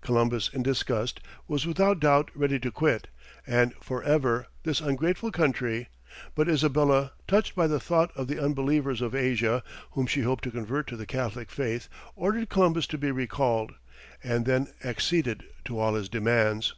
Columbus, in disgust, was without doubt ready to quit, and for ever, this ungrateful country, but Isabella, touched by the thought of the unbelievers of Asia, whom she hoped to convert to the Catholic faith, ordered Columbus to be recalled, and then acceded to all his demands.